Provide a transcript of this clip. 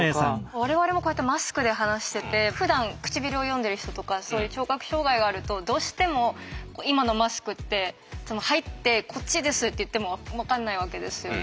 我々もこうやってマスクで話しててふだん唇を読んでる人とかそういう聴覚障害があるとどうしても今のマスクって入って「こっちです」って言ってもわかんないわけですよね。